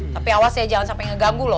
tapi awas ya jangan sampai ngeganggu loh